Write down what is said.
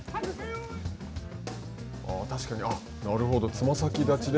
確かに、なるほど、つま先立ちで。